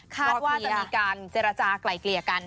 ว่าจะมีการเจรจากลายเกลี่ยกัน